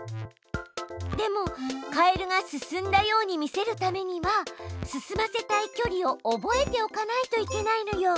でもカエルが進んだように見せるためには進ませたい距離を覚えておかないといけないのよ。